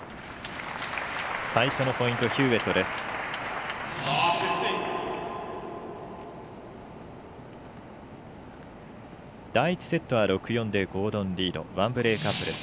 最初のポイントヒューウェットです。